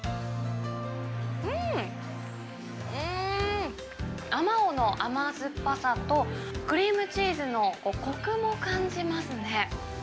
うーん、うーん、あまおうの甘酸っぱさと、クリームチーズのこくも感じますね。